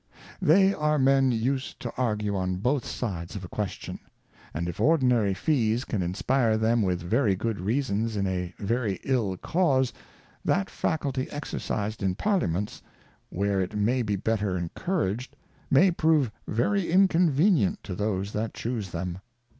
They are Men used to argue on both sides of a Question ; And if ordinary Fees can inspire them with very good Reasons in a very ill Cause, that Faculty exercised in Parliaments, where it may be better encouraged, may prove very inconvenient to those that chuse them.